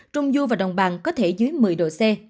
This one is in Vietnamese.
trung du và đồng bằng có thể dưới một mươi độ c